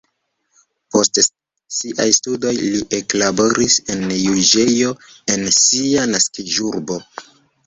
Post siaj studoj li eklaboris en juĝejo en sia naskiĝurbo.